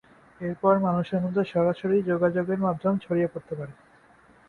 এরপরে মানুষের মধ্যে সরাসরি যোগাযোগের মাধ্যমে ছড়িয়ে পড়তে পারে।